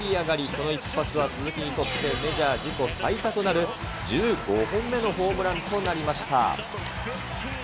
この一発は鈴木にとって、メジャー自己最多となる１５本目のホームランとなりました。